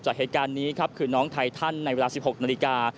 จากเหตุการณ์นี้ครับคือน้องไททันในเวลา๑๖นาฬิกา